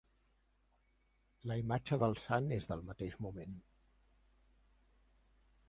La imatge del sant és del mateix moment.